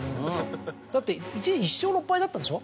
だって一時１勝６敗だったでしょ。